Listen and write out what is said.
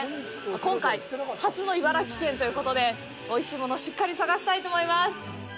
今回、初の茨城県ということで、おいしいものをしっかり探したいと思います！